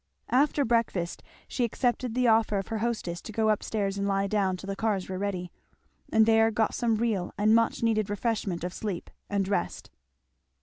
After breakfast she accepted the offer of her hostess to go up stairs and lie down till the cars were ready; and there got some real and much needed refreshment of sleep and rest.